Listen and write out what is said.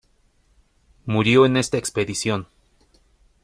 Murió en esta expedición.